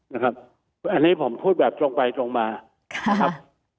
นะครับผมพูดแบบตรงไปตรงมาค่ะครับ